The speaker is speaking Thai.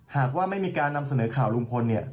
หากว่าไม่มีการนำเสนอข่าวลุงพลเนี่ย